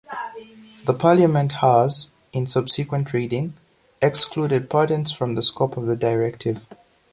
The Parliament has, in subsequent reading, excluded patents from the scope of the Directive.